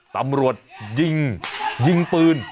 ตำรวจยิงยิงปืน